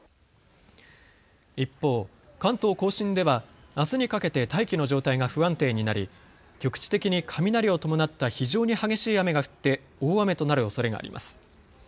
一方、関東甲信ではあすにかけて大気の状態が不安定になり局地的に雷を伴った非常に激しい雨が降って大雨となるおそれがあります。